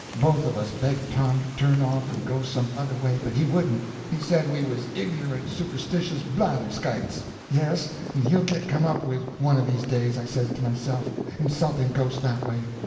Both of us begged Tom to turn off and go some other way, but he wouldn't, and said we was ignorant superstitious blatherskites. Yes, and he'll git come up with, one of these days, I says to myself, insulting ghosts that way.